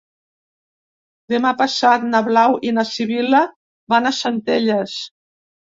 Demà passat na Blau i na Sibil·la van a Centelles.